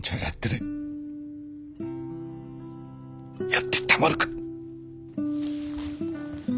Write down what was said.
やってたまるか！